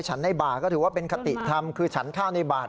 ในบาทก็ถือว่าเป็นคติธรรมคือฉันข้าวในบาท